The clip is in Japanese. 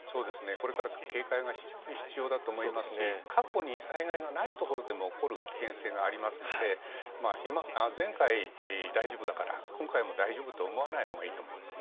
これから警戒が非常に必要だと思いますし過去に災害がないところでも起こる危険性がありますので前回、大丈夫だから今回も大丈夫と思わないほうがいいと思いますね。